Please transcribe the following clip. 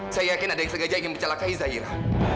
saya yakin ada yang sengaja ingin mencelakai zairah